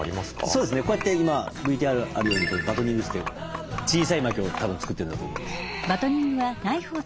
そうですねこうやって今ＶＴＲにあるようにバトニングといって小さい薪をたぶん作ってるんだと思います。